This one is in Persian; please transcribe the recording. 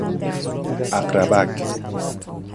عقربک